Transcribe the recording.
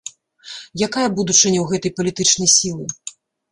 Якая будучыня ў гэтай палітычнай сілы?